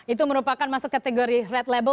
itu merupakan masuk kategori red label